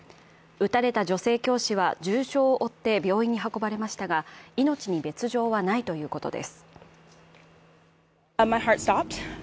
撃たれた女性教師は重傷を負って病院に運ばれましたが命に別状はないということです。